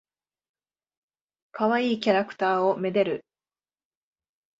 かわいいキャラクターを愛でる。